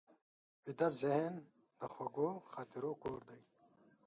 ویده ذهن د خوږو خاطرو کور دی